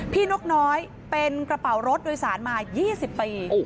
นกน้อยเป็นกระเป๋ารถโดยสารมา๒๐ปี